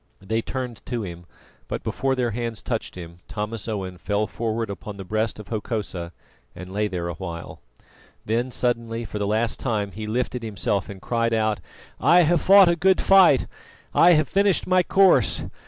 They turned to him, but before their hands touched him Thomas Owen fell forward upon the breast of Hokosa and lay there a while. Then suddenly, for the last time, he lifted himself and cried aloud: "I have fought a good fight! I have finished my course!